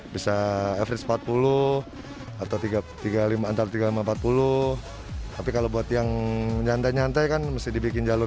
bisa average empat puluh atau tiga puluh lima antar tiga puluh lima empat puluh tapi kalau buat yang nyantai nyantai kan mesti dibikin jalur